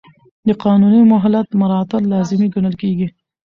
د قانوني مهلت مراعات لازمي ګڼل کېږي.